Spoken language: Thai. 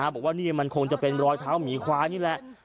บอกว่านี่มันคงจะเป็นรอยเท้าหมีควายนี่แหละ